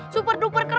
super duper keren